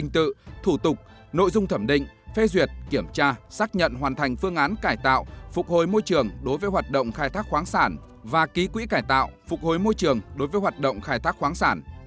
thủ tục nội dung thẩm định phê duyệt kiểm tra xác nhận hoàn thành phương án cải tạo phục hồi môi trường đối với hoạt động khai thác khoáng sản và ký quỹ cải tạo phục hối môi trường đối với hoạt động khai thác khoáng sản